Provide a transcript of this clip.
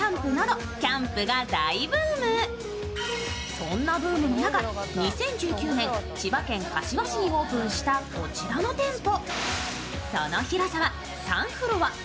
そんなブームの中、２０１９年、千葉県柏市にオープンしたこちらの店舗。